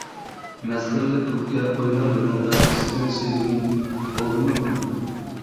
مەسخىرىلىك كۈلكە ئوينار لېۋىڭدە، سېنى سۆيگۈنۈم بولدىمۇ گۇناھ.